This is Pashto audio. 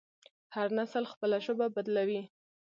هر نسل خپله ژبه بدلوي.